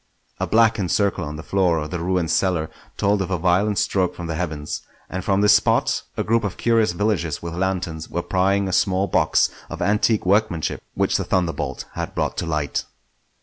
A blackened circle on the floor of the ruined cellar told of a violent stroke from the heavens; and from this spot a group of curious villagers with lanterns were prying a small box of antique workmanship which the thunderbolt had brought to light.